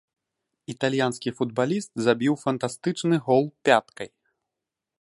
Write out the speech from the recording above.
Італьянскі футбаліст забіў фантастычны гол пяткай.